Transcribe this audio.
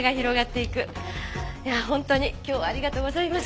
いやあ本当に今日はありがとうございます！